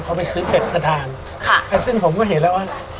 เขาไปซื้อเป็ดกระทานค่ะซึ่งผมก็เห็นแล้วว่า